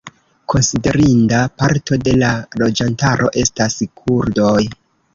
Konsiderinda parto de la loĝantaro estas kurdoj.